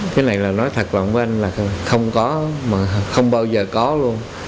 cái này là nói thật lòng với anh là không có mà không bao giờ có luôn